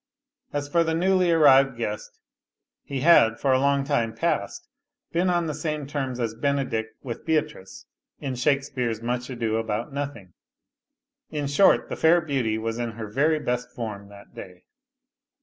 As for the newly arrived guest, he had for a 238 A LITTLE HERO long time past been on the same terms as Benedick with Beatrice, in Shakespeare's Much Ado about Nothing. In short, the fair beauty was in her very best form that day.